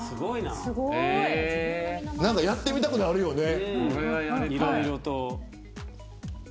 やってみたくなるよね。